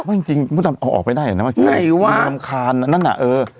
ไม่จริงออกไปได้หรอไหนวะมันรำคาญนั่นอ่ะเออ